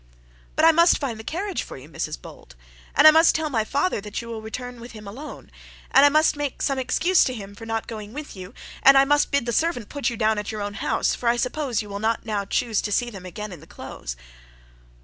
'But I must find the carriage for you, Mrs Bold, and I must tell my father that you will return with him alone, and I must make some excuse to him for not going with you; and I must bid the servant put you down at your own house, for I suppose you will not now choose to see them again in the close.'